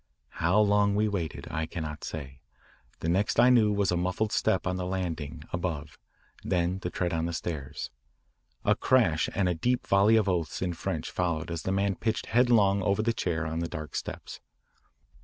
How long we waited I cannot say. The next I knew was a muffled step on the landing above, then the tread on the stairs. A crash and a deep volley of oaths in French followed as the man pitched headlong over the chair on the dark steps.